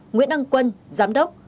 nguyễn ân quân giám đốc